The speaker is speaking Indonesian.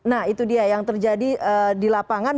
nah itu dia yang terjadi di lapangan